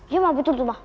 iya ma betul tuh ma